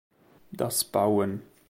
Das Bauen.